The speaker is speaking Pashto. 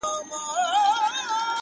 هره څپه یې ورانوي د بګړۍ ولونه--!